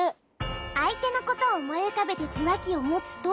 あいてのことをおもいうかべてじゅわきをもつと。